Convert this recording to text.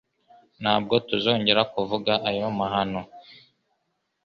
Ntabwo tuzongera kuvuga ayo mahano.